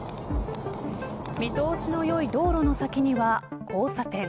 見通しのよい道路の先には交差点。